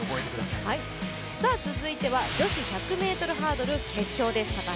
続いては女子１００ｍハードル決勝です。